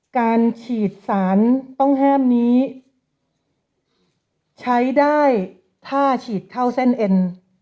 การฉีดสารต้องห้ามนี้ใช้ได้ถ้าฉีดเท่าเส้นเอ็น